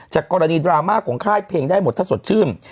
กรณีดราม่าของค่ายเพลงได้หมดถ้าสดชื่น